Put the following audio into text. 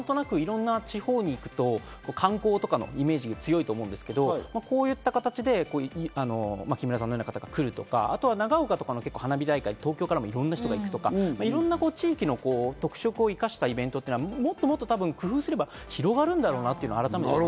何となくいろんな地方に行くと観光とかのイメージが強いと思うんですけど、こういった形で木村さんのような方が来るとか、あとは長岡とかの花火大会って東京からいろんな人が行くとか、地域の特色を生かしたイベントっていうのは、もっと工夫すれば広がるんだろうなって。